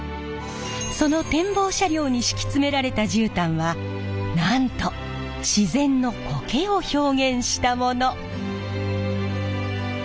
その展望車両に敷き詰められた絨毯はなんと自然のこけを表現したもの。